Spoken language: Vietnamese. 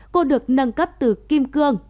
cô được nâng cấp từ kim cương